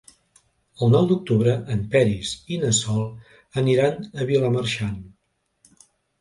El nou d'octubre en Peris i na Sol aniran a Vilamarxant.